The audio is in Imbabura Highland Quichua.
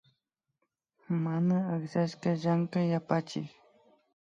Mana akllashka Llankay yapachik